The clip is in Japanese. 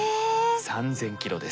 ３，０００キロです。